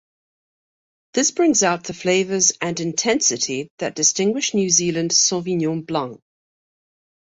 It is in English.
This brings out the flavors and intensity that distinguish New Zealand Sauvignon blancs.